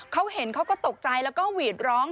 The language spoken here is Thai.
เขาเห็นเขาก็ตกใจแล้วก็หวีดร้อง